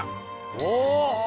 お。